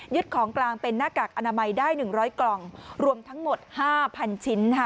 ของกลางเป็นหน้ากากอนามัยได้๑๐๐กล่องรวมทั้งหมด๕๐๐ชิ้น